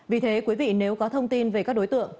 vì thế quý vị nếu có thông tin về các đối tượng